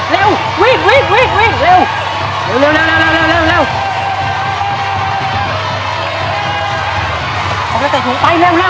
ใส่ถุงไปเองเลยเร็ว